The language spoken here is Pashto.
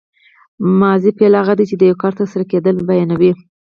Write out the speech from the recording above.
ماضي فعل هغه دی چې د یو کار تر سره کېدل بیانوي.